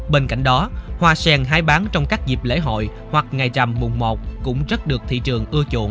bên cạnh đó hoa sen hay bán trong các dịp lễ hội hoặc ngày trầm mùng một cũng rất được thị trường ưa chuộng